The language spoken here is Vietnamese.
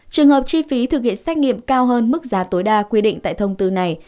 trường hợp chi phí thực hiện xét nghiệm cao hơn mức giá tối đa quy định tại thông tư này